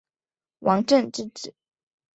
王震之子。